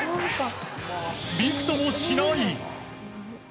びくともしない。